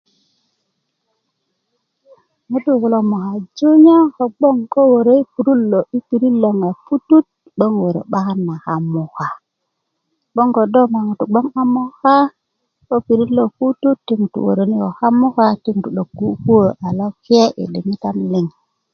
ŋutu kulo moka junya 'boŋ ko wörö i pirit lo a putut 'boŋ wörö 'bakan na kamuka 'boŋ kodo ma ŋutu a moka ko pirit lo putut ti ŋutu wöröni ko kamuka ti ŋutu kukuwö a loke i diŋitan liŋ